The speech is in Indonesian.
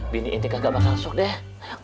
bini inti kagak bakal masuk deh